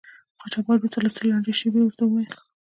قاچاقبر وروسته له څه لنډې شیبې ورته و ویل.